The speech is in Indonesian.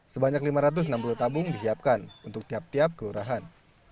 sebanyak lima ratus enam puluh tabung disiapkan untuk tiap tiap kelurahan